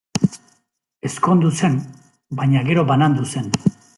Ezkondu zen, baina gero banandu zen.